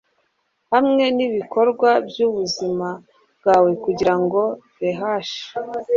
hamwe nibikorwa byubuzima bwawe kugirango rehash…